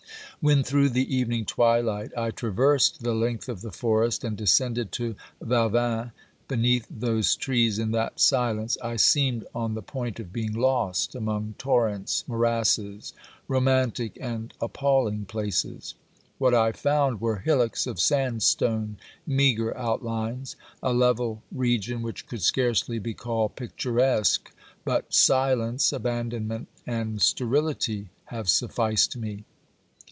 When, through the evening twihght, I traversed the 54 OBERMANN length of the forest and descended to Valvin, beneath those trees, in that silence, I seemed on the point of being lost among torrents, morasses, romantic and appalling places. What I found were hillocks of sandstone, meagre outlines, a level region which could scarcely be called picturesque ; but silence, abandonment and sterility have sufficed me.